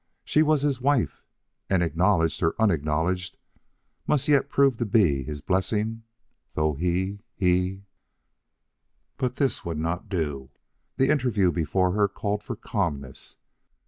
She was his wife, and acknowledged or unacknowledged, must yet prove to be his blessing though he he But this would not do. The interview before her called for calmness.